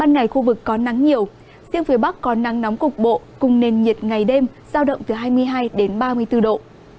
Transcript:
ngày khu vực có nắng nhiều riêng phía bắc có nắng nóng cục bộ cùng nền nhiệt ngày đêm giao động từ hai mươi hai đến ba mươi bốn độ